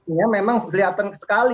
ini memang kelihatan sekali